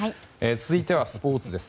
続いてはスポーツです。